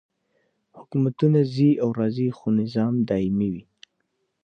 حکومتونه ځي او راځي خو نظام دایمي وي.